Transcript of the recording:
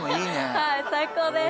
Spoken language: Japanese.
はい最高です